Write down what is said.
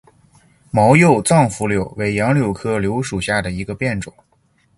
毛轴藏匐柳为杨柳科柳属下的一个变种。